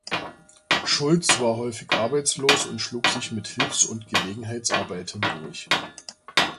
Schulz war häufig arbeitslos und schlug sich mit Hilfs- und Gelegenheitsarbeiten durch.